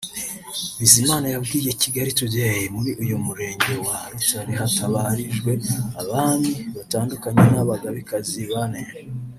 Bizimana yabwiye Kigali Today ko muri uyu Murenge wa Rutare hatabarijwe abami batandatu n’abagabekazi bane